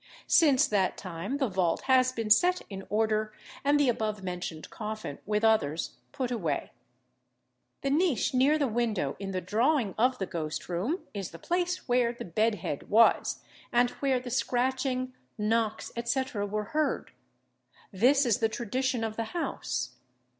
Since that time the vault has been set in order, and the above mentioned coffin, with others, put away. The niche near the window in the drawing of the Ghost Room is the place where the bed head was, and where the scratching, knocks, &c. were heard. This is the tradition of the house.